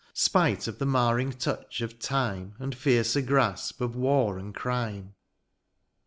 Spite of the marring touch of time. And fiercer gra^ of war and crime.